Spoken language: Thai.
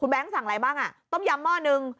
คุณแบงค์สั่งอะไรบ้างต้มยำหม้อนึง